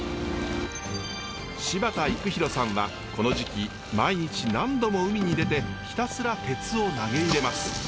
芝田育広さんはこの時期毎日何度も海に出てひたすら鉄を投げ入れます。